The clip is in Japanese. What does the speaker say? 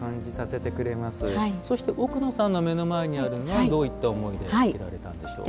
奥野さんの目の前にあるのはどういった思いで作られたんでしょうか。